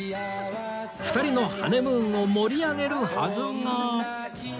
２人のハネムーンを盛り上げるはずが